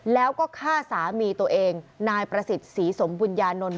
แล้วก็ฆ่าสามีตัวเองนายประสิทธิ์ศรีสมบุญญานนท์